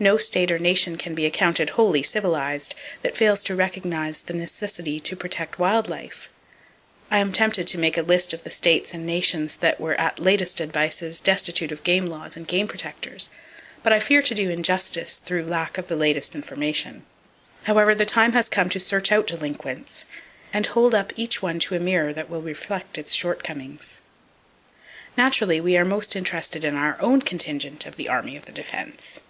No state or nation can be accounted [Page 248] wholly civilized that fails to recognize the necessity to protect wild life. I am tempted to make a list of the states and nations that were at latest advices destitute of game laws and game protectors, but I fear to do injustice through lack of the latest information. However, the time has come to search out delinquents, and hold up to each one a mirror that will reflect its shortcomings. Naturally, we are most interested in our own contingent of the Army of the Defense.